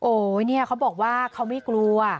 โอ้ยเนี่ยเขาบอกว่าเขาไม่กลัว